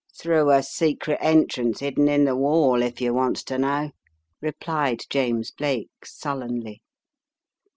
"Through a secret entrance hidden in the wall, if yer wants ter know!" replied James Blake, sullenly.